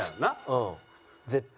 うん絶対。